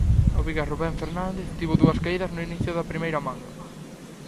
O vigués Rubén Fernández tivo dúas caídas no inicio da primeira manga.